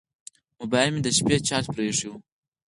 موبایل مې د شپې چارج پرې شو.